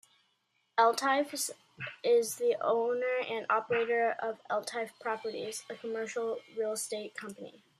Eltife is the owner and operator of Eltife Properties, a commercial real estate company.